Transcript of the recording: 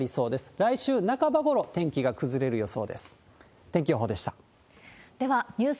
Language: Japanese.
来週半ばごろ、天気が崩れる予想